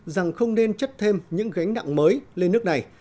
rằng không nên chấp thêm những gánh nặng mới lên nước này